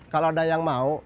kalo ada yang mau